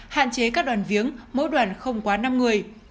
hạn chế các đoàn viếng mỗi đoàn không quá năm người